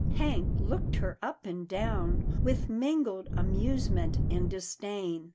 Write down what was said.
Hank looked her up and down, with mingled amusement and disdain.